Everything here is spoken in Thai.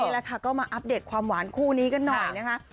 นี่ล่ะครับก็มาอัพเด็ทความหวานคู่นี้กันหน่อยนะครับ